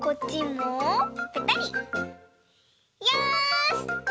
よし！